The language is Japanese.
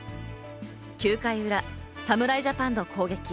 ９回裏、侍ジャパンの攻撃。